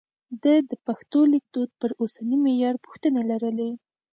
ده د پښتو لیکدود پر اوسني معیار پوښتنې لرلې.